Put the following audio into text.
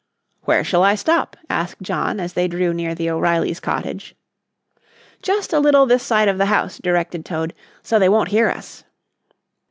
"Where shall I stop?" asked John as they drew near the O'Reilly's cottage. "Just a little this side of the house," directed Toad, "so they won't hear us."